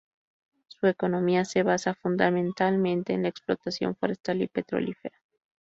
Su economía se basa fundamentalmente en la explotación forestal y petrolífera.